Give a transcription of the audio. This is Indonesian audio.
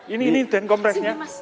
ini ini ten kompresnya